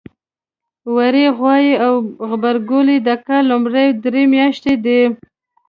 وری ، غوایی او غبرګولی د کال لومړۍ درې میاتشې دي.